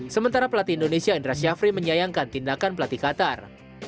sementara pelatih indonesia indra syafri menyayangkan tindakan pelatih qatar